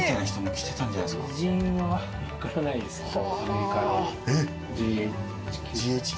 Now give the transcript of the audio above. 偉人は分からないですけど。